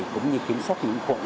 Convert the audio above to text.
cũng như kiểm soát những khuẩn